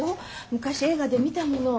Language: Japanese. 昔映画で見たもの。